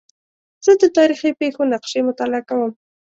زه د تاریخي پېښو نقشې مطالعه کوم.